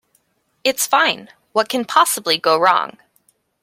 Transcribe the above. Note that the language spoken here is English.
It's fine. What can possibly go wrong?